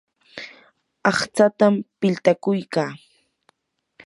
aqtsatam piltakuykaa.